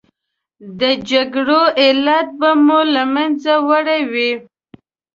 د جګړو علت به مو له منځه وړی وي.